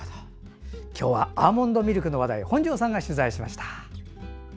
今日はアーモンドミルクの話題本庄さんが取材しました。